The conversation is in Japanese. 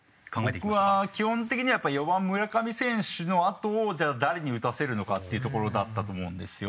僕は基本的にはやっぱり４番村上選手のあとをじゃあ誰に打たせるのかっていうところだったと思うんですよ。